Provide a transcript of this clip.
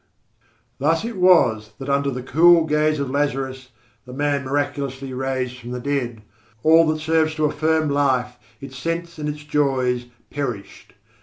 Thus it was that under the cool gaze of Lazarus, the man miraculously raised from the dead, all that serves to affirm life, its sense and its joys, perished.